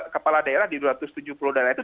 kepala daerah di dua ratus tujuh puluh daerah itu